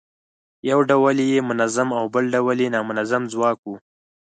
یو ډول یې منظم او بل ډول یې نامنظم ځواک و.